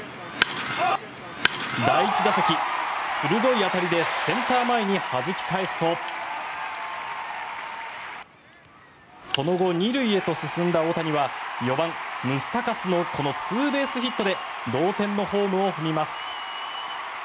第１打席、鋭い当たりでセンター前にはじき返すとその後、２塁へと進んだ大谷は４番、ムスタカスのこのツーベースヒットで同点のホームを踏みます。